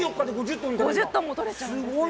５０トンも取れちゃうんですよ。